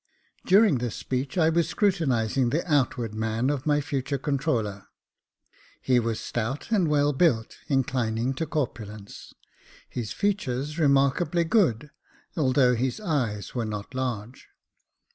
During this speech, I was scrutinising the outward man of my future controller. He was stout and well built, inclining to corpulence \ his features remarkably good, although his eyes were not large.